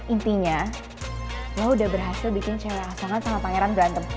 intinya lo udah berhasil bikin cewek asongan sama pangeran berantem